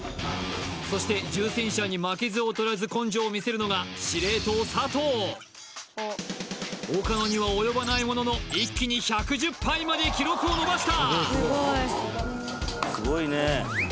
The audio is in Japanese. そして重戦車に負けず劣らず根性を見せるのが司令塔佐藤岡野には及ばないものの一気に１１０杯まで記録を伸ばした